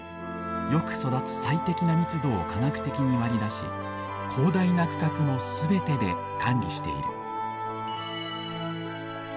よく育つ最適な密度を科学的に割り出し広大な区画の全てで管理している。